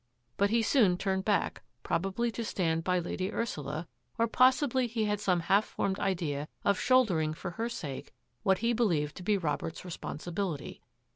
But he soon turned back, probably to stand by Lady Ursula, or possibly he had some half formed idea of shouldering for her sake what he believed to be Robert's responsibility.